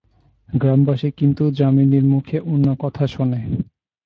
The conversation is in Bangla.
গ্রামবাসী কিন্তু যামিনীর মুখে অন্য কথা শোনে।